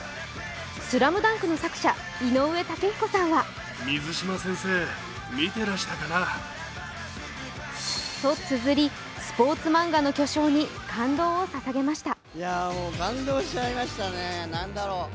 「ＳＬＡＭＤＵＮＫ」の作者・井上雄彦さんはとつづり、スポーツ漫画の巨匠に感動を捧げました。